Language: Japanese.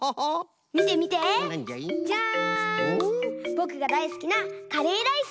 ぼくがだいすきなカレーライス！